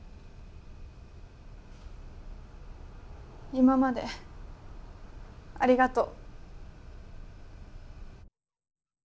今までありがとう。